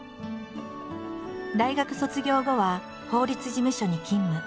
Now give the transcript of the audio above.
大学卒業後は法律事務所に勤務。